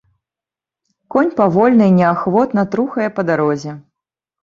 Конь павольна і неахвотна трухае па дарозе.